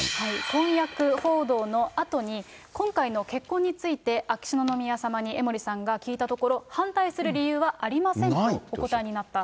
婚約報道のあとに、今回の結婚について秋篠宮さまに江森さんが聞いたところ、反対する理由はありませんとお答えになった。